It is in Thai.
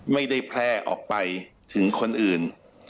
ไม่ได้แพร่ออกไปถึงคนอื่น